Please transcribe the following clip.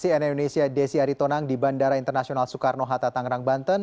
cnn indonesia desi aritonang di bandara internasional soekarno hatta tangerang banten